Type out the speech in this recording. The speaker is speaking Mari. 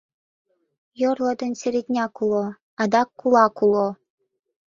Йорло ден середняк уло, адак кулак уло.